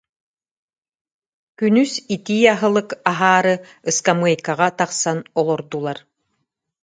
Күнүс итии аһылык аһаары ыскамыайкаҕа тахсан олордулар